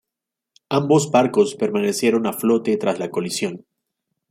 Ambos barcos permanecieron a flote tras la colisión.